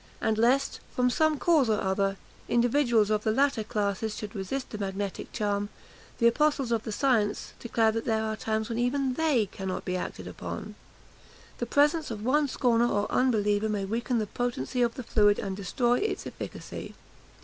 And lest, from some cause or other, individuals of the latter classes should resist the magnetic charm, the apostles of the science declare that there are times when even they cannot be acted upon; the presence of one scorner or unbeliever may weaken the potency of the fluid and destroy its efficacy.